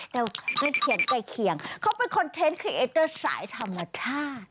แต่เขียนใกล้เคียงเขาเป็นคอนเทนต์คือเอเตอร์สายธรรมชาติ